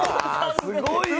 すごいね。